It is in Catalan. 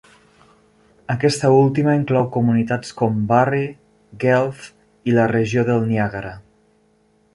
Aquesta última inclou comunitats com Barrie, Guelph i la regió del Niàgara.